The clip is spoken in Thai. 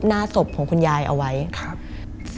มันกลายเป็นรูปของคนที่กำลังขโมยคิ้วแล้วก็ร้องไห้อยู่